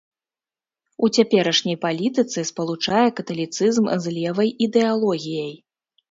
У цяперашняй палітыцы спалучае каталіцызм з левай ідэалогіяй.